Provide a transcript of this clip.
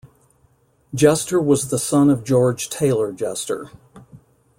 Jester was the son of George Taylor Jester.